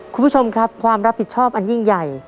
คุณผู้ชมครับความรับผิดชอบอันยิ่งใหญ่